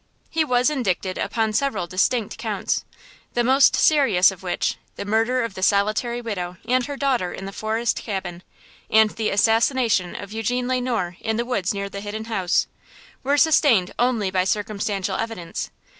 He was indicted upon several distinct counts, the most serious of which–the murder of the solitary widow and her daughter in the forest cabin, and the assassination of Eugene Le Noir in the woods near the Hidden House–were sustained only by circumstantial evidence.